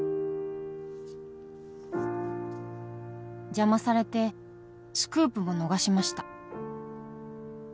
「邪魔されてスクープも逃しました」